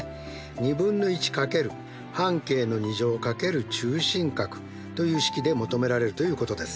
２分の１×半径の２乗×中心角という式で求められるということです。